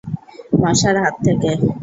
মশার হাত থেকে।